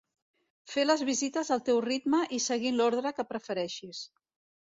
Fes les visites al teu ritme i seguint l'ordre que prefereixis.